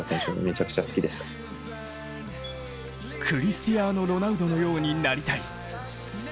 クリスティアーノ・ロナウドのようになりたい。